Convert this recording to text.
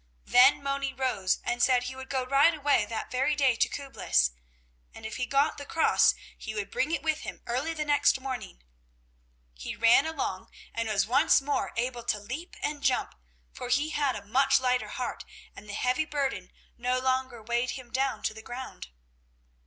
Then Moni rose and said he would go right away that very day to Küblis, and if he got the cross he would bring it with him early the next morning. He ran along and was once more able to leap and jump, for he had a much lighter heart and the heavy burden no longer weighed him down to the ground.